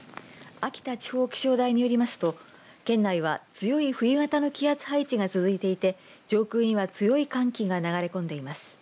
秋田地方気象台によりますと県内は強い冬型の気圧配置が続いていて上空には強い寒気が流れ込んでいます。